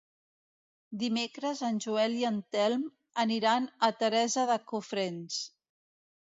Dimecres en Joel i en Telm aniran a Teresa de Cofrents.